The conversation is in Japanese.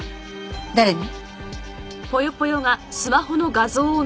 誰に？